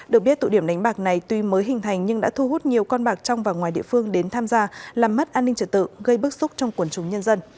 được biết tụ điểm đánh bạc này tuy mới hình thành nhưng đã thu hút nhiều con bạc trong và ngoài địa phương đến tham gia làm mất an ninh trật tự gây bức xúc trong quần chúng nhân dân